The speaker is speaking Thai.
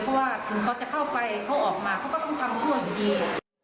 ขนเขาจะหาออกมาเขาก็ได้ทำช่วยดี